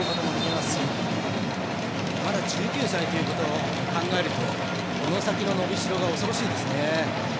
まだ１９歳ということを考えるとこの先の伸びしろが恐ろしいですね。